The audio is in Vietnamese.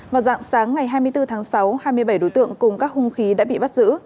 vào dạng sáng ngày hai mươi bốn tháng sáu hai mươi bảy đối tượng cùng các hung khí đã bị bắt giữ